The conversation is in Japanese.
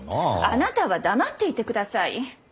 あなたは黙っていてください。